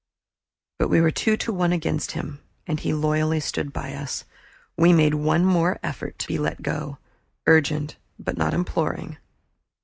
But we were two to one against him and he loyally stood by us. We made one more effort to be let go, urgent, but not imploring.